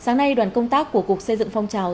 sáng nay đoàn công tác của cục xây dựng phong trào